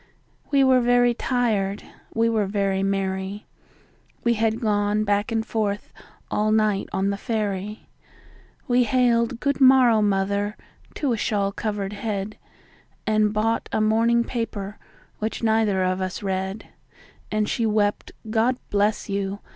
We were very tired, we were very merry, We had gone back and forth all night on the ferry, We hailed "Good morrow, mother!" to a shawl covered head, And bought a morning paper, which neither of us read; And she wept, "God bless you!"